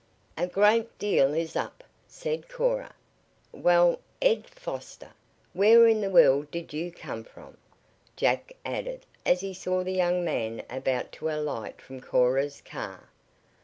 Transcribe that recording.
"A great deal is up," said Cora. "Well Ed Foster! Where in the world did you come from?" Jack added as he saw the young man about to alight from Cora's car.